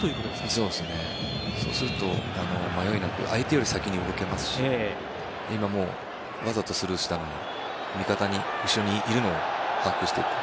そうすると、迷いなく相手より先に動けますし。わざとスルーしたのも味方が後ろにいるのを把握していて。